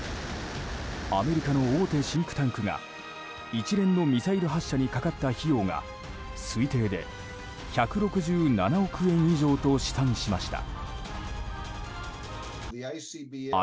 アメリカの大手シンクタンクが一連のミサイル発射にかかった費用が推定で１６７億円以上と試算しました。